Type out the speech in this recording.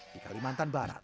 di kalimantan barat